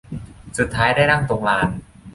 สุดท้ายได้นั่งตรงลาน